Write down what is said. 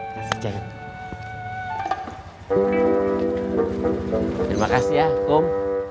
terima kasih ya om